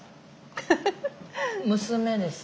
娘です。